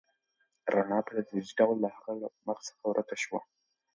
رڼا په تدریجي ډول د هغې له مخ څخه ورکه شوه.